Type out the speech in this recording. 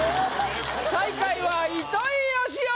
最下位は糸井嘉男！